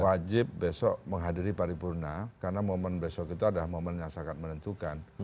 wajib besok menghadiri paripurna karena momen besok itu adalah momen yang sangat menentukan